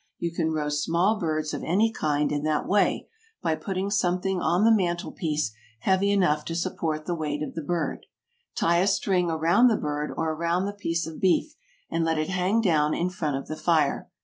You can roast small birds of any kind in that way, by putting something on the mantel piece heavy enough to support the weight of the bird. Tie a string around the bird or around the piece of beef and let it hang down in front of the fire.